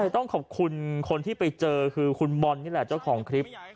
ต้องขอบคุณคนที่ไปเจอคือคุณบอลนี่แหละเจ้าของคลิป